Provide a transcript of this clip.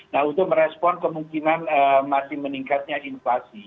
nah untuk merespon kemungkinan masih meningkatnya inflasi